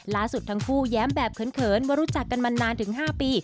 ทั้งคู่แย้มแบบเขินว่ารู้จักกันมานานถึง๕ปี